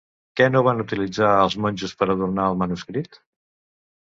Què no van utilitzar els monjos per adornar el manuscrit?